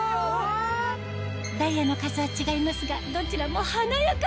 ダイヤの数は違いますがどちらも華やか！